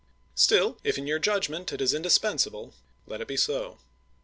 " Still, if in your judgment it is indispensable, let it be so.